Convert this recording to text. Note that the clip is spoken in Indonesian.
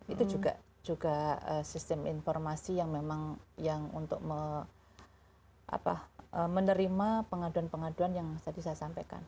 itu juga sistem informasi yang memang yang untuk menerima pengaduan pengaduan yang tadi saya sampaikan